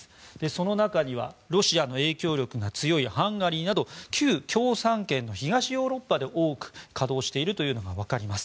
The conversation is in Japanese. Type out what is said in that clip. その中にはロシアの影響力が強いハンガリーなど旧共産圏の東ヨーロッパで多く稼働しているのが分かります。